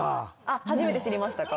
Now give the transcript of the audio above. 初めて知りましたか？